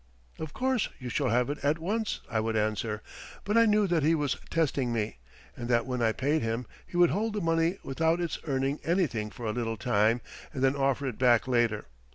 "Of course, you shall have it at once," I would answer, but I knew that he was testing me, and that when I paid him, he would hold the money without its earning anything for a little time, and then offer it back later.